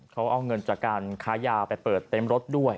เขาเอาเงินจากการค้ายาไปเปิดเต็มรถด้วย